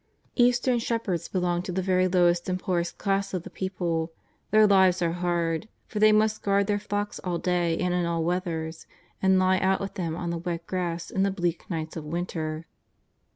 Eastern shepherds belong to the very lowest and poorest class of the people; their lives are hard, for they must guard their flocks all day and in all weathers, and lie out with them on the wet grass in the bleak nights of winter.